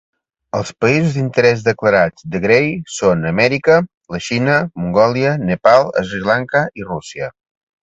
Els països d'interès declarats de Gray són Amèrica, la Xina, Mongòlia, Nepal, Sri Lanka i Rússia.